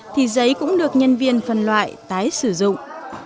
thì giấy cũng được nhân viên phân loại tái sử dụng